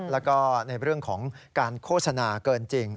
แล้วก็ในเรื่องของการโฆษณาเกินจริง